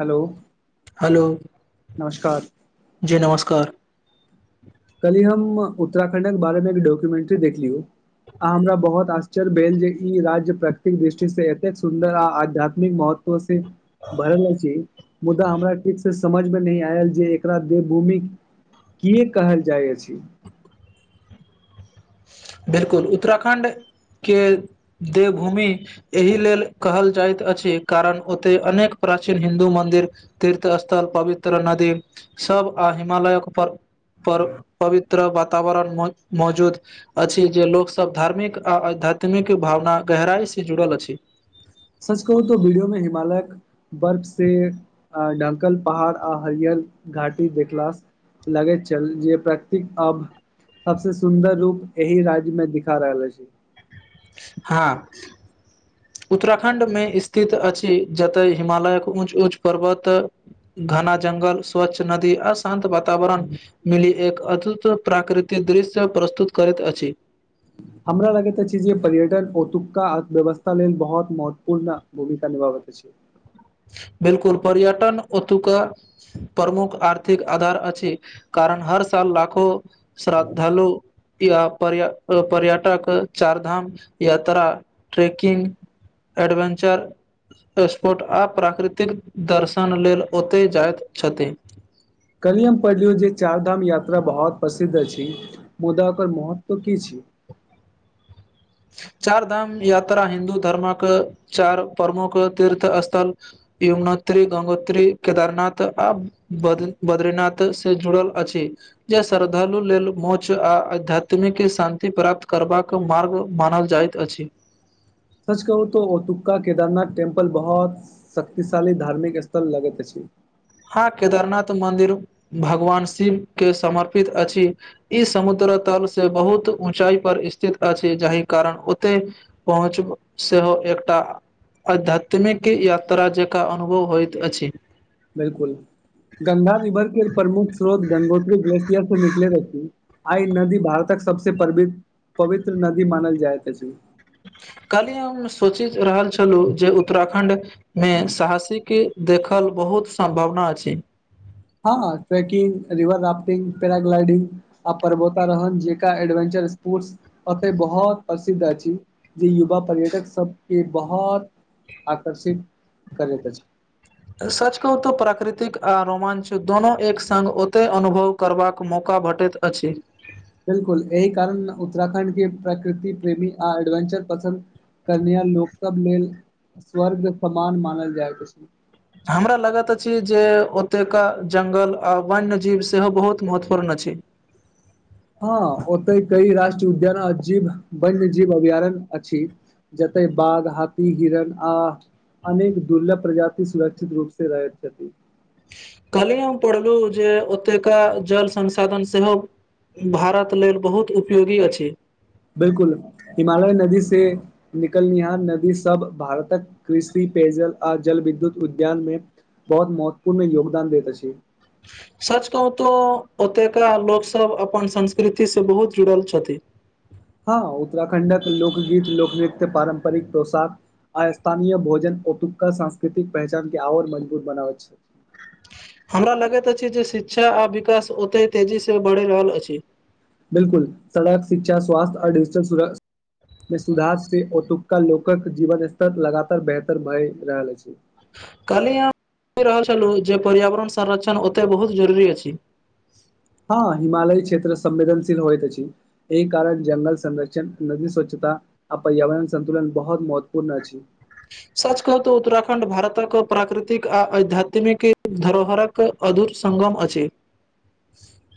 Hello hello. नमस्कार। जी नमस्कार। कली हम उत्तराखंडक बारे मे एक डॉक्युमेंट्री देखलियौ आ हमरा बहोत आश चर भेल जे इ राज्य प्रकृतिक दृष्टि से एतेक सुन्दर आ आध्यात्मिक महत्व से भरल अछि, मुद्दा हमरा ठीक से समझ मे नै आएल जे एकरा देवभूमि किए कहल जाय अछि। बिलकुल उत्तराखण्ड के देवभूमि एहि लेल कहल जाएत अछि कारण ओते अनेक प्राचीन हिन्दू मन्दिर, तीर्थ स्थल, पवित्र नदी सब आ हिमालयक पर पर पवित्र वातावरण मौ मौजूद अछि जे लोक सब धार्मिक आ आध्यात्मिक भावना गहराई से जुड़ल अछि। सच कहू तो वीडियो मे हिमालयक बर्फ से आ ढकल पहाड़ आ हरियर घाटी देखला से लगैत छल जे प्रकृतिक अब सबसे सुन्दर रूप एहि राज्य मे दिखा रहल अछि। हाँ। उत्तराखण्ड मे स्थित अछि, जतय हिमालयक ऊँच-ऊँच पर्वत घना जंगल, स्वच्छ नदी आ शान्त वातावरण मिली, एक अदभुत प्राकृतिक दृश्य प्रस्तुत करैत अछि। हमरा लगैत अछि जे पर्यटन ओतुका अर्थव्यवस्था लेल बहोत महत्वपूर्ण भूमिका निभाबे त अछि। बिलकुल पर्यटन ओतुका प्रमुख आर्थिक अधार अछि, कारण हर साल लाखो श्रद्धालु या पर्य अ पर्यटक चार धाम यात्रा, ट्रैकिंग एडवेंचर, स्पोर्ट आ प्राकृतिक दर्शन लेल ओतय जाएत छथि। कलि हम पढ़लियौ जे चार धाम यात्रा बहोत प्रसिद्ध अछि मुदा ओकर महत्व की छी। [inaudible] चार धाम यात्रा हिन्दू धर्मक चार प्रमुख तीर्थ स्थल युम्नोत्री, गंगोत्री, केदारनाथ आ बद बद्रीनाथ से जुड़ल अछि। जे श्रद्धालु लेल मोच आ अध्यात्मिक शान्ति प्राप्त करबाक मार्ग मानल जाएत अछि। सच कहू तो औतुका केदारनाथ टेम्पल बहोत शक्तिशाली धार्मिक स्थल लगैत अछि। हाँ केदारनाथ मन्दिर भगवान शिव के समर्पित अछि, इ समुद द्र तल से बहुत ऊँचाई पर स्थित अछि, जाहि कारण ओते पहुँच से हो एकटा अध्यात्मिक यात्रा जेकां अनुभव होयत अछि। बिलकुल। गंगा रिवर के प्रमुख स्रोत गंगोत्री ग्लेशियर से निकले रहती, आय नदी भारतक सबसे परबी पवित्र नदी मानल जाएत अछि। कल्हि हम सोचैत रहल छलहुँ जे उत्तराखण्डमे साहसीे के देखल बहुत सम्भावना अछि। हँ ट्रैकिंग, रिवर राफ्टिंग, पेराग्लाइडिंग आ पर्बोतारोहण जेकां एडवेंचर स्पोर्ट्स ओतेऽ बहोत प्रसिद्ध अछि जे युवा पर्यटक सबके बहोत आकर्षित करैत अछि। सच कहूं तो प्राकृतिक आ रोमांच दोनों एक संग ओतऽ अनुभव करबाक मौका भेटैत अछि। बिलकुल एई कारण उत्तराखण्ड के प्रकृति प्रेमी आ एडवेंचर पसन्द करनिहार लोक सब लेल स्वर्ग समान मानल जाइत अछि। हमरा लगैत अछि जे ओतुका जङ्गल आ वन्यजीव सेहो बहुत महत्वपूर्ण अछि। [inaudible] हँ ओतई कई राष्ट्रीय उद्यान आ जीव वन्यजीव अभयारण्य अछि। जतेय बाघ, हाथी, हिरण आ अनेक दुर्लभ प्रजाति सुरक्षित रूप से रहैत छथि। कल्हि हम पढ़लऊं जे ओतुका जल संसाधन सेहो भारत लेल बहुत उपयोगी अछि। बिलकुल हिमालय नदी से निकलनिहार नदी सब भारतक कृषि पेयजल आ जल विद्युत उद्यान मे बहुत महत्वपूर्ण योगदान देत अछि। [inaudible] सच कहूं तो ओतुका लोकसभ अपन संस्कृतिसे बहुत जुड़ल छथि। हँ उत्तराखण्डक लोकगीत, लोकनृत्य, पारम्परिक पोशाक आ स्थानीय भोजन औतुका सांस्कृतिक पहचान के आओर मजबूत बनाबै छै। हमरा लगैत अछि जे शिक्षा आ विकास ओतय तेजीसे बढ़ि रहल अछि। बिलकुल सड़क, शिक्षा, स्वास्थ्य आ डिजिटल सुर में सुधार से ओतुका लोकक जीवन स्तर लगातार बेहतर भए रहल अछि। कल्हि हम पढि रहल छलहुँ जे पर्यावरण संरक्षण ओतऽ बहुत जरूरी अछि। हँ हिमालय क्षेत्र संवेदनशील होइत अछि एहि कारण जंगल संरक्षण, नदी स्वच्छ ता आ पर्यावरण सन्तुलन बहुत महत्वपूर्ण अछि। सच कहु तो उत्तराखंड भारतक प्राकृतिक आ आध्यात्मिक धरोहरक मधुर सङ्गम अछि।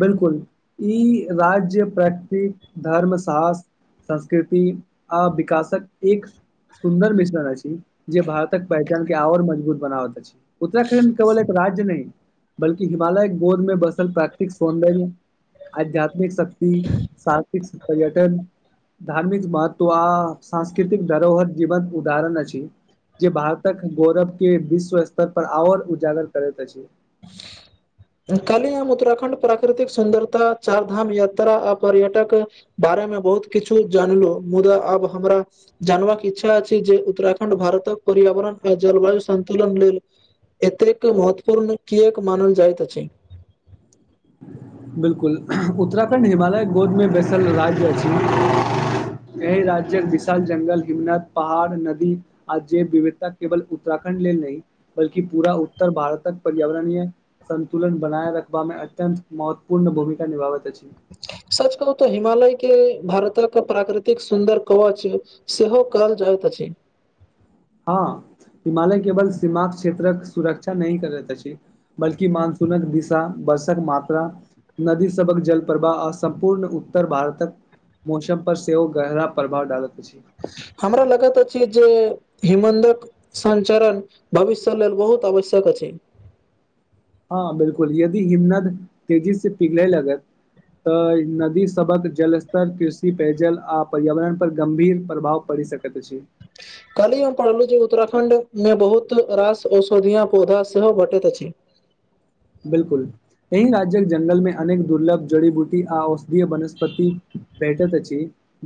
बिलकुल ई राज्य प्रकृति, धर्म, साहस संस्कृति आ विकासक एक सुन्दर मिश्रण अछि जे भारतक पर्यटन के आओर मजबूत बनाबत अछि। उत्तराखण्ड केवल एक राज्य नहि बल्कि हिमालयक गोद मे बसल प्राकृत तिक सौन्दर्य, आध्यात्मिक शक्ति, सार्थिक पर्यटन धार्मिक महत्व आ सांस्कृतिक धरोहर जीवंत उदाहरण अछि। जे भारतक गौरव के विश्व स्तर पर आओर उजागर करैत अछि। [inaudible] कल्हि हम उत्तराखण्ड प्राकृतिक सुन्दरता, चार धाम यात्रा आ पर्यटक। बारे में बहुत किछु जानलौ, मुदा आब हमरा जानबाक इच्छा अछि जे उत्तराखंड भारतक। पर्यावरण आ जलवायु संतुलन लेल एतेक महत्वपूर्ण। किएक मानल जाइत अछि। बिल्कुल, उत्तराखण्ड हिमालयक गोद में बैसल राज्य अछि। एहि राज्यक विशाल जंगल, हिमनद, पहाड़, नदी आ जैव विविधता केवल उत्तराखण्ड। लेल नहि बल्कि पूरा उत्तर भारतक पर्यावरणीय। संतुलन बनाए रखबा में अत्यंत महत्वपूर्ण भूमिका निभाबैत अछि। [inaudible] सच कहू तऽ हिमालय के भारतक प्राकृतिक सुन्दर कवच सेहो कहल जाइत अछि। [inaudible] हँ। हिमालय केवल सीमाक् क्षेत्रक सुरक्षा नहि करत अछि, बल्कि मानसूनक दिशा। वर्षक मात्रा, नदी सबहक जल प्रवाह आ सम्पूर्ण उत्तर भारतक। मौसम पर सेहो गहरा प्रभाव डालत। हमरा लगैत अछि जे। हिमन्दक सञ्चरण भविष्य लेल बहुत आवश्यक अछि। हँ बिल्कुल, यदि हिमनद तेजी से पिघले लगत। तऽ नदी सबहक जलस्तर, कृषि, पेयजल आ पर्यावरण पर गंभीर प्रभाव पड़। भय सकत अछि। [unintelligible] कल्हि हम पढ़लहु, जे उत्तराखंड में बहुत रास औषधीया पौधा सेहो भेटैत अछि। [inaudible] बिल्कुल, एहि राज्यक जंगल में अनेक दुर्लभ जड़ी-बूटी आ औषधीय वनस्पति। भेटैत अछि,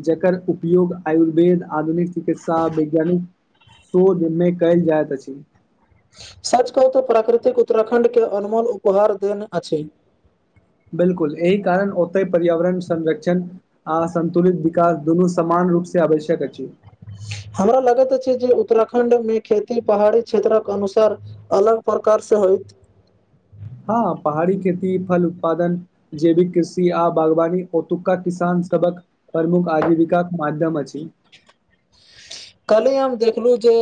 जकर उपयोग आयुर्वेद, आधुनिक चिकित्सा वैज्ञानिक। शोध में कैल जायत अछि। सच कहू त, प्राकृतिक उत्तराखण्डके अनमोल उपहार देन अछि। बिल्कुल, एहि कारण ओतहि पर्यावरण संरक्षण आ संतुलित विकास दुनू समान रूप। से आवश्यक अछि। हमरा लगैत अछि जे। उत्तराखण्ड में खेती पहाड़ी क्षेत्रक अनुसार अलग प्रकारसँ होयत। हँ, पहाड़ी खेती फल उत्पादन जैविक कृषि आ बागवानी ओतुका किसान। सभक प्रमुख आजीविका माध्यम अछि। [unintelligible] कले हम देखलहु जे,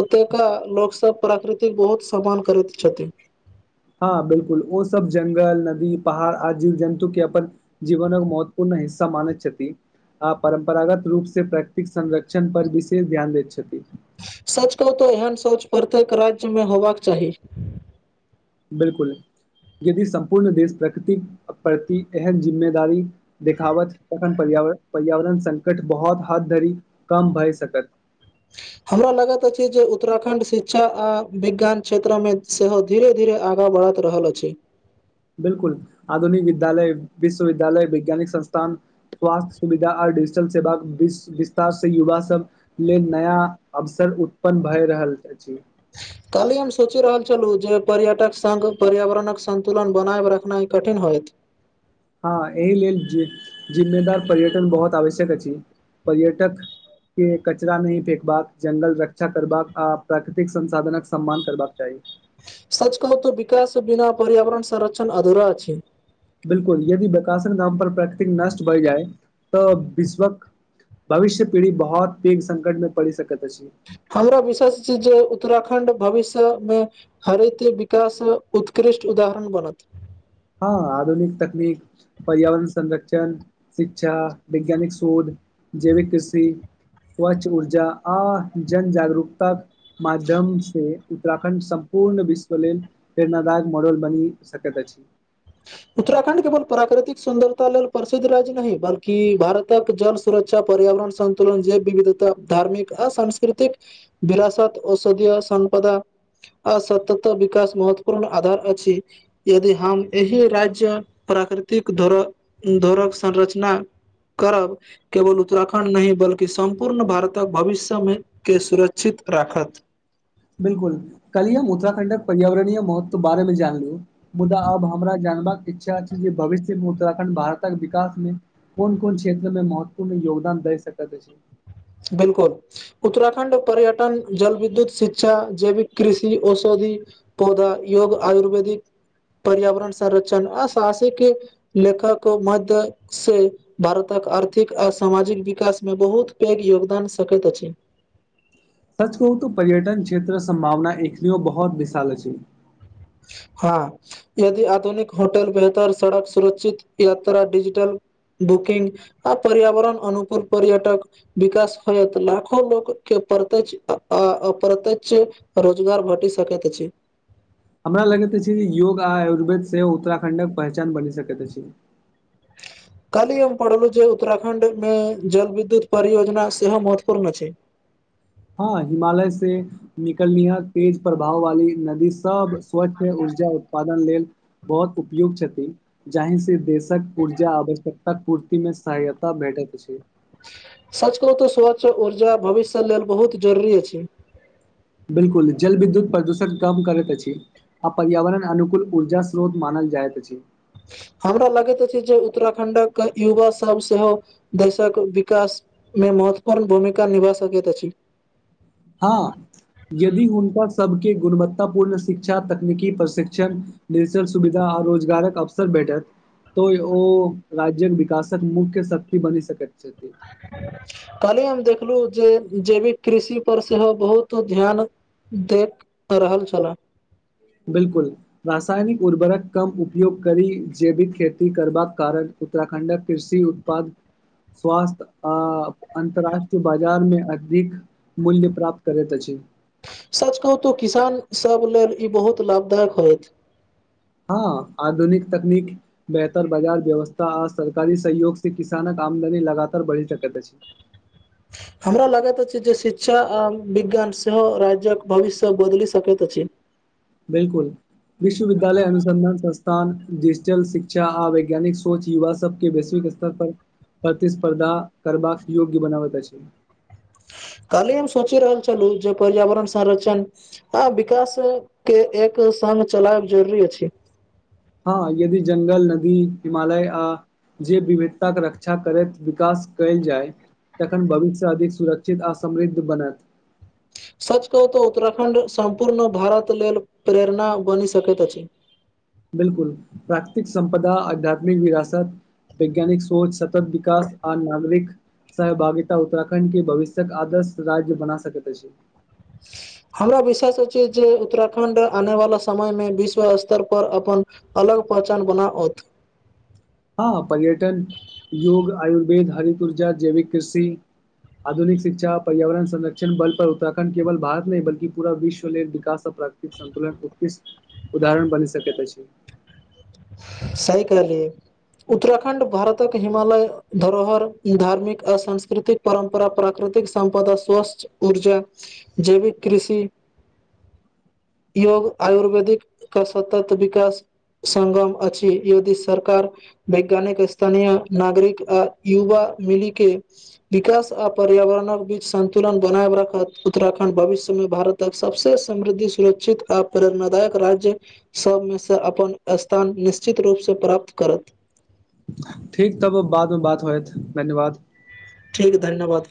ओतुका लोक सब प्रकृतिक बहुत सम्मान करैत छथिन। [unintelligible] हँ बिल्कुल, ओ सब जंगल, नदी, पहाड़ आ जीव-जन्तु के अपन जीवन महत्वपूर्ण हिस्स। हिस्सा मनैत छथि, आ परम्परागत रूप से प्रकृतिक संरक्षण पर विशेष ध्यान दैत छथि। सच कहू तो एहन सोच प्रत्येक राज्य में होबाक चाही। बिल्कुल। यदि सम्पूर्ण देश प्रकृति प्रति एहन जिम्मेदारी देखावत तखन पर्य। पर्या-पर्यावरण संकट बहुत हद्ध धरि कम भय सकत। [unintelligible] हमरा लगेत अछि जे, उत्तराखंड शिक्षा, आ विज्ञान क्षेत्र में, सेहो धीरे-धीरे आगा बढ़ होइत रहल अछि। 'बिलकुल' आधुनिक विद्यालय, विश्वविद्यालय, वैज्ञानिक संस्थान, स्वास्थ्य सुविधा आ डिजिटल सेवाक, विस्तार से युवा सभ लेल, नया अवसर उत्पन्न भए रहल। होइत अछि। काल्हि हम सोचि रहल छलहुँ जे, पर्यटक संग पर्यावरणक संतुलन बनाब रखनाइ कठिन होयइत। हँ एहि लेल जिम्मेदार पर्यटन बहुत आवश्यक अछि। पर्यटक। के, कचरा नहि फेेकबाक, जंगल रक्षा करबाक, आ प्राकृतिक संसाधनक सम्मान करबाक चाही। सच कहू त, विकास बिना पर्यावरण संरक्षण अधूरा अछि। 'बिलकुल' यदि प्रकाशन नाम पर प्रकृतिक नष्ट भ जाइ तऽ बिश्वक भविष्य पीढ़ी बहुत पेघ संकट मे पड़ि सकैत अछि। हमरा विशेष छै जे उत्तराखण्ड भविष्य मे, हरित विकास उत् उत्कृष्ट उदाहरण बनत। हँ, आधुनिक तकनीक, पर्यावरण संरक्षण, शिक्षा, वैज्ञानिक शोध जैविक कृषि। स्वच्छ ऊर्जा, आ जन जागरूकता माध्यम से उत्तराखण्ड सँ पूर्ण विश्व लेल, प्रेरणादायक मॉडल बनी सकैत अछि। [inaudible] उत्तराखण्ड केवल प्राकृतिक सुन्दरता लेल प्रसिद्ध राज्य नहि, बल्कि भारतक जल सुरक्षा पर्या वरण सन्तुलन जे विविधता, धार्मिक, आ सांस्कृतिक विरासत, औषधिय, आ सम्पदा आ सतत् विकास महत्वपूर्ण आधार अछि, यदि हम एहि राज्य, प्राकृतिक धर धरोहरक संरचना करब, केवल उत्तराखण्ड नहि बल्कि सम्पूर्ण भारतक भविष्य मे के सुरक्षित राखत। बिलकुल, कालिये हम उत्तराखण्डक पर्यावरणीय महत्व बारेमे जानलहुं। मुदा आब हमरा जानबाक इच्छा छै जे, भविष्य मे उत्तराखंड भारतक विकास मे, कोन -कोन क्षेत्र मे महत्वपूर्ण योगदान दय सकैत अछि। बिलकुल, उत्तराखण्ड पर्यटन, जल-विद्युत, शिक्षा, जैविक कृषि, औषधि यदि पौधा, योग, आयुर्वेदिक पर्यावरण संरक्षण, आ साहसिक लेखकक मध्य से, भारत आर्थिक आ सामाजिक विकासमे, बहुत पैघ योगदान सकैत अछि। सच कहु त, पर्यटन क्षेत्र के सम्भावना एखनियो बहुत विशाल अछि। [inaudible] हां, यदि आधुनिक होटल, बेहतर सड़क, सुरक्षित यात्रा, डिजिटल बुकिंग आ पर्यावरण अनुकुल पर्यटक विकास होयत, लाखो लोक कें प्रत्यक्ष आ अप्रत्यक्ष रोजगार भेटि सकैत अछि। हमरा लगैत अछि जे, योग आ आयुर्वेद सेहो उत्तराखण्डक पहचान बनि सकैत अछि। [inaudible] काल्हि हम पढ़लहुं जे, उत्तराखण्ड मे जल विद्युत परियोजना सेहो महत्वपूर्ण अछि। [inaudible] हां, हिमालय से निकललिया तेज प्रवाह वाली नदी सब स्वच्छ उर्जा उत्पादन लेल बहुत उपयुक्त छथिन, जाहि से देश सं उर्जा आवश्यकताक पूर्ति मे सहायता भेटैत अछि। सच कहु त स्वच्छ उर्जा भविष्य लेल बहुत जरूरी अछि। बिलकुल, जल विद्युत प्रदूषण कम करैत अछि। आ पर्यावरण अनुकुल उर्जा स्रोत मानल जाइत अछि। [inaudible] हमरा लगैत अछि जे उत्तराखंडक युवा सब सेहो देशक विकास मे महत्वपूर्ण भूमिका निभा सकैत अछि। हां। यदि हुनका सबके गुणवत्तापूर्ण शिक्षा, तकनीकी प्रशिक्षण, नेचर सुविधा आ रोजगारक अवसर भेटत। तें ओ राज्यक विकासक मुख्य शक्ति बनि सकैत छैय। [inaudible] कहली हम देखलहुं जे जैविक कृषि पर सेहो बहुत ध्यान देख रहल छलाह। बिलकुल, रासायनिक उर्वरक कम उपयोग करि, जैविक खेती करबाक कारण उत्तराखण्डक कृषि उत्पाद स्वास्थ्य आ अन्तर्राष्ट्रीय बाजारमे अधिक मूल्य प्राप्त करैत अछि। सच कहु त किसान सब लेल इ बहुत लाभदायक होयत। हां, आधुनिक तकनीक, बेहतर बजार व्यवस्था आ सरकारी सहयोग से किसानक आमदनी लगातार बढ़ि सकैत अछि। [inaudible] हमरा लगैत अछि जे शिक्षा आ विज्ञान सेहो राज्यक भविष्य बदलि सकैत अछि। बिलकुल, विश्वविद्यालय अनुसन्धान संस्थान तँन डिजिटल शिक्षा आ वैज्ञानिक सोच युवा सबके वैश्विक स्तर पर। प्रतिस्पर्धा करबाक योग्य बनाबत अछि। काली हम सोचि रहल छलहुँ जे पर्यावरण संरक्षण आ विकास के एक एक संग चलायब जरुरी अछि। हँ यदि जंगल, नदी, हिमालय आ जे विविधताके रक्षा करैत विकास कयल जाय। तखन भविष्य अधिक सुरक्षित आ समृद्ध बनत। सच कहू त उत्तराखण्ड सम्पूर्ण भारत लेल प्रेरणा बनि सकैत अछि। बिलकुल प्राकृतिक संपदा आध्यात्मिक विरासत वैज्ञानिक सोच सतक विकास आर नागरिक सहभागिता उत्तराखण्ड के भविष्यक आदर्श राज्य बना सकैत अछि। [inaudible] हमरा विश्वास जे उत्तराखंड आने वाला समय मे विश्व स्तर पर अपन अलग पहचान बना ओत। [inaudible] हँ, पर्यटन, योग, आयुर्वेद, हरित ऊर्जा, जैविक कृषि। आधुनिक शिक्षा पर्यावरण संरक्षण बल पर उत्तराखंड केवल भारत नहि बल्कि पूरा विश्व लेल विकासक प्रकृति संतुलन, उत्कृष्ट, उदाहरण बनी सकत अछि। सही कहलये। उत्तराखण्ड भारतक हिमालय धरोहर धार्मिक आ सांस्कृतिक परम्परा पराक्रम प्राकृतिक संपदा, स्वस्थ ऊर्जा, जैविक कृषि योग आयुर्वेदिक क सतत विकास सगम अछि। की योगी सरकार वैज्ञानिक स्थानीय नागरिक आ युवा मिली के विकास आ पर्यावरणक बीच संन्तुलन बनाय रखत, उत्तराखणंड भविष्यमे भारतक सबस समृद्धि, सुरक्षित, आ प्रेरणादायक राज्य सभमे से, अपन स्थान निश्चित निश्चित रूपसँ प्राप्त करत। ठीक तब बादमे बात होयत, धन्यवाद! ठीक धन्यवाद!